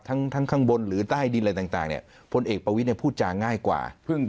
ทั้งข้างบนหรือใต้ดินอะไรต่างเนี่ยพลเอกประวิทย์พูดจาง่ายกว่า